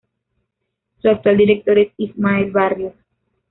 Su actual director es Ismael Barrios.